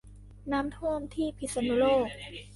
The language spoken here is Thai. น้ำท่วมที่พิษณุโลก